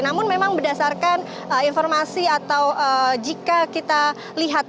namun memang berdasarkan informasi atau jika kita lihat